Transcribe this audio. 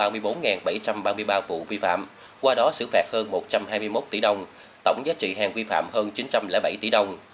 vụ vi phạm qua đó xử phạt hơn một trăm hai mươi một tỷ đồng tổng giá trị hàng vi phạm hơn chín trăm linh bảy tỷ đồng